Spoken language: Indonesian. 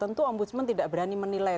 tentu ombudsman tidak berani menilai